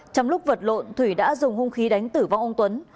trong lúc vật lộn thủy đã dùng hung khí đánh tử vong ông tuấn